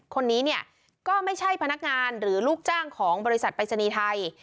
คนนี้เนี่ยก็ไม่ใช่พนักงานหรือลูกจ้างของบริษัทปริศนีย์ไทย